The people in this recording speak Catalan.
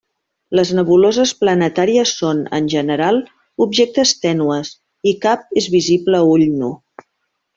Les nebuloses planetàries són, en general, objectes tènues, i cap és visible a ull nu.